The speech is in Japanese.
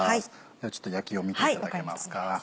ではちょっと焼きを見ていただけますか。